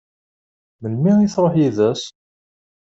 Melmi i tṛuḥ yid-s?